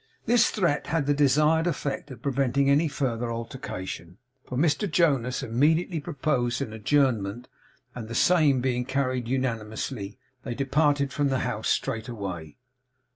This threat had the desired effect of preventing any farther altercation, for Mr Jonas immediately proposed an adjournment, and the same being carried unanimously, they departed from the house straightway.